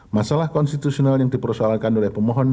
masalah konstitusional yang dipersoalkan oleh pemohon